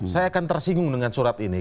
saya akan tersinggung dengan surat ini